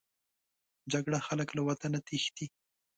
جګړه خلک له وطنه تښتي